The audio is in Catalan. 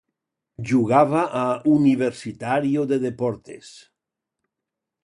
Jugava a Universitario de Deportes.